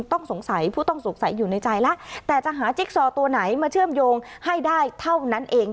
ต้องสงสัยผู้ต้องสงสัยอยู่ในใจแล้วแต่จะหาจิ๊กซอตัวไหนมาเชื่อมโยงให้ได้เท่านั้นเอง